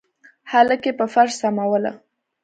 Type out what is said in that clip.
هلک يې په فرش سملوه.